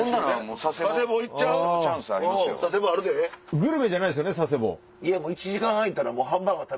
グルメじゃないですよね佐世保。